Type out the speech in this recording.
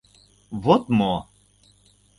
— Вот мо!